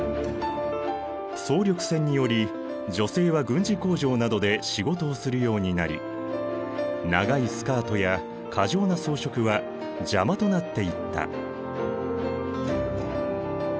総力戦により女性は軍事工場などで仕事をするようになり長いスカートや過剰な装飾は邪魔となっていった。